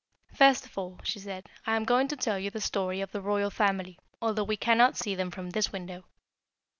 "First of all," she said, "I am going to tell you the story of the Royal Family, although we cannot see them from this window.